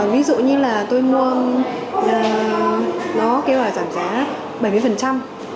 ví dụ như là tôi mua nó kêu là giảm giá bảy mươi